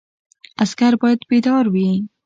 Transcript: عسکر باید بیدار وي